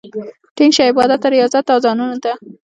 ټينګ شه عبادت ته، رياضت ته، اذانونو ته